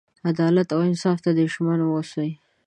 عدالت او انصاف ته دې ژمن ووسي.